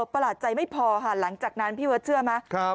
ประหลาดใจไม่พอค่ะหลังจากนั้นพี่เบิร์ตเชื่อไหม